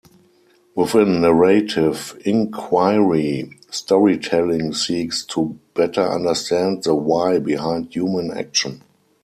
Within narrative inquiry, storytelling seeks to better understand the "why" behind human action.